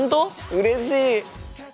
うれしい。